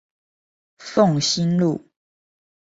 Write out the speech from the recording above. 鳳新路